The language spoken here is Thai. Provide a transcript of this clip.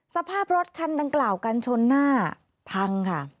สภาพรถคันดังกล่าวกันชนหน้าพังค่ะ